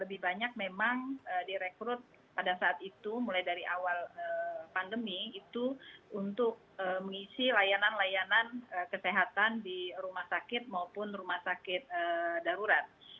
lebih banyak memang direkrut pada saat itu mulai dari awal pandemi itu untuk mengisi layanan layanan kesehatan di rumah sakit maupun rumah sakit darurat